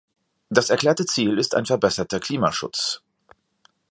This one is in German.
Das erklärte Ziel ist ein verbesserter Klimaschutz.